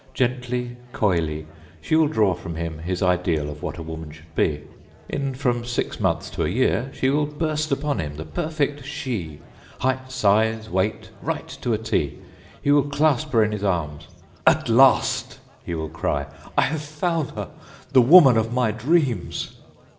Gently, coyly, she will draw from him his ideal of what a woman should be. In from six months to a year she will burst upon him, the perfect She; height, size, weight, right to a T. He will clasp her in his arms. âAt last,â he will cry, âI have found her, the woman of my dreams.